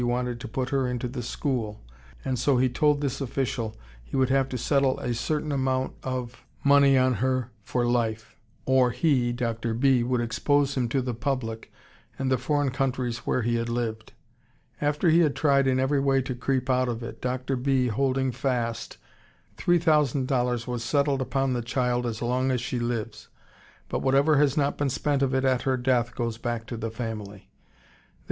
wanted to put her into the school, and so he told this official he would have to settle a certain amount of money on her for life or he (Dr. B.) would expose him to the public and the foreign countries where he had lived. After he had tried in every way to creep out of it, Dr. B. holding fast, $3000.00 was settled upon the child as long as she lives, but whatever has not been spent of it at her death goes back to the family.